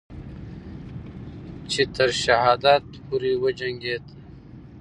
چې تر شهادت پورې وجنگید